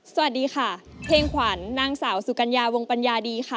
สวัสดีค่ะเพลงขวัญนางสาวสุกัญญาวงปัญญาดีค่ะ